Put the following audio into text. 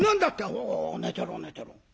「お寝てろ寝てろ。